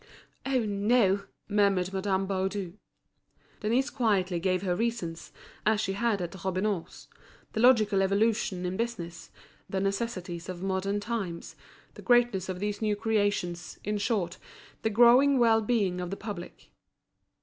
"Oh, no!" murmured Madame Baudu. Denise quietly gave her reasons, as she had at Robineau's: the logical evolution in business, the necessities of modern times, the greatness of these new creations, in short, the growing well being of the public.